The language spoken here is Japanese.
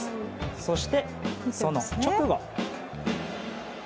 そして、その直後。